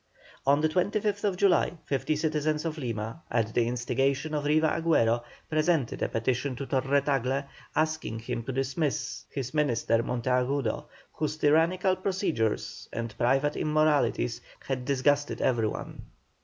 On the 25th July fifty citizens of Lima, at the instigation of Riva Agüero, presented a petition to Torre Tagle, asking him to dismiss his minister Monteagudo, whose tyrannical procedures and private immoralities had disgusted everyone.